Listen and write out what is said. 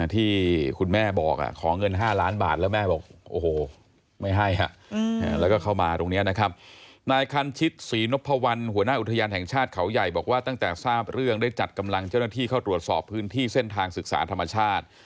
ที่คุณแม่บอกขอเงิน๕ล้านบาทแล้วแม่บอกโอ้โหไม่ให้